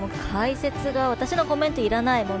解説が私のコメントいらない